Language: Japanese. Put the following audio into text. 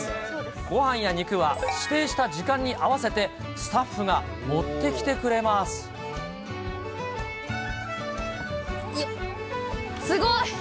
ごはんや肉は指定した時間に合わせて、スタッフが持ってきてくれすごい。